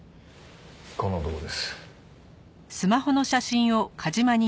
この男です。